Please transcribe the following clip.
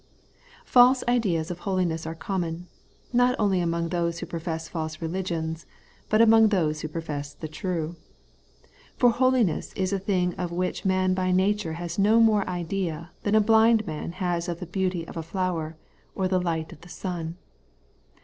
False ideas of holiness are common, not only among those who profess false religions, but among those who profess the true. For holiness is a thing of which man by nature has no more idea than a blind man has of the beauty of a flower or the light of the sun.